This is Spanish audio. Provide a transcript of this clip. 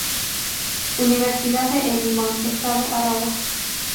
Universidad de El Limón, estado Aragua.